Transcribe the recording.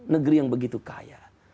negeri yang begitu kaya